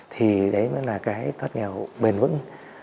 thì đấy mới là cái thoát nghèo bền vững